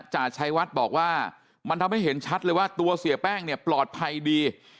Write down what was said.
จ่าชัยวัดบอกว่ามันทำให้เห็นชัดเลยว่าตัวเสียแป้งเนี่ยปลอดภัยดี